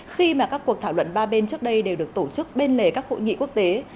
khi mà các cuộc thảo luận ba bên trước đây đều được tổ chức bên lề các hội nghị quốc tế